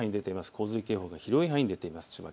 洪水警報が広い範囲に出ています。